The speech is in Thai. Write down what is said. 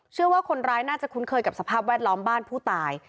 เชื่อว่าคนร้ายน่าจะคุ้นเคยกับสภาพแวดล้อมบ้านผู้ตาย